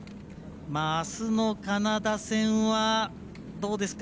あすのカナダ戦はどうですか？